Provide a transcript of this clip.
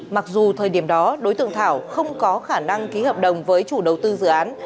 mặc dù thời điểm đó đối tượng thảo không có khả năng ký hợp đồng với chủ đầu tư dự án